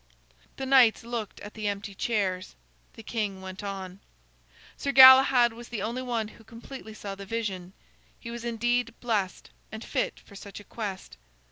The knights looked at the empty chairs. The king went on: "Sir Galahad was the only one who completely saw the vision. He was indeed blessed, and fit for such a quest.